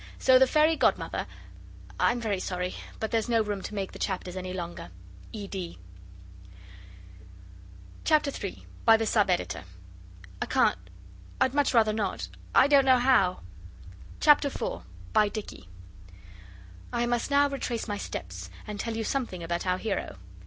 So the fairy godmother (I'm very sorry, but there's no room to make the chapters any longer. ED.) CHAPTER III by the Sub Editor (I can't I'd much rather not I don't know how.) CHAPTER IV by Dicky I must now retrace my steps and tell you something about our hero.